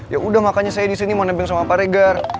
yaudah makanya saya disini mau nebeng sama pak regar